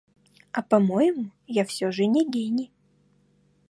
А по-моему, я всё же не гений.